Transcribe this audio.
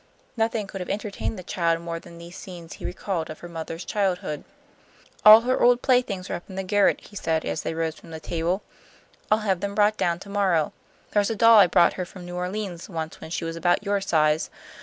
Nothing could have entertained the child more than these scenes he recalled of her mother's childhood. "All her old playthings are up in the garret," he said, as they rose from the table. "I'll have them brought down to morrow. There's a doll I brought her from New Orleans once when she was about your size.